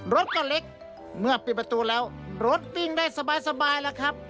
รถก็เล็กเมื่อบิดประตูแล้วรถปิงได้สบายค่ะ